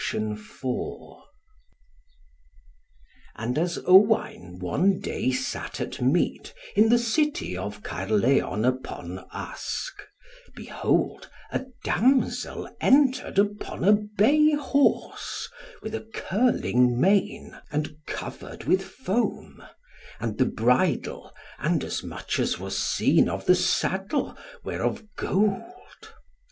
And as Owain one day sat at meat, in the City of Caerlleon upon Usk, behold a damsel entered, upon a bay horse, with a curling mane, and covered with foam; and the bridle, and as much as was seen of the saddle, were of gold.